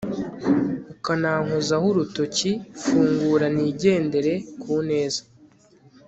ukanankozaho urutoki fungura nigendere kuneza